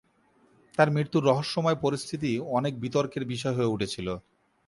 তার মৃত্যুর রহস্যময় পরিস্থিতি অনেক বিতর্কের বিষয় হয়ে উঠেছিল।